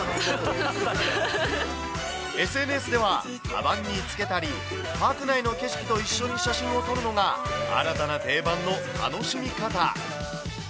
ＳＮＳでは、かばんにつけたり、パーク内の景色と一緒に写真を撮るのが新たな定番の楽しみ方。